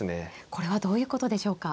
これはどういうことでしょうか。